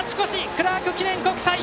クラーク記念国際。